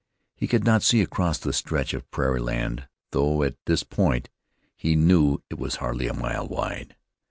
He could not see across the stretch of prairie land, though at this point he knew it was hardly a mile wide.